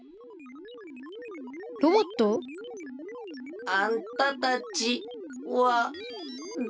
ロボット？あんたたちはだれじゃ？